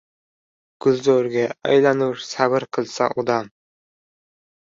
Gulzorga aylanur sabr qilsa odam.